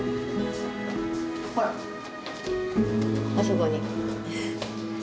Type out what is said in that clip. ・ほらあそこに。